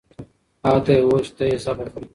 هغه ته ئې وويل، چي ته ئې ذبح کړه